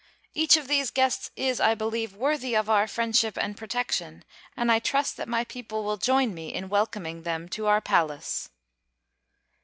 Each of these guests is, I believe, worthy of our friendship and protection, and I trust that my people will join me in welcoming them to our palace."